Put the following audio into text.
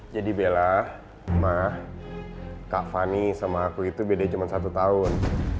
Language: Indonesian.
jadi bella mama kak fanny sama aku itu beda cuma satu tahun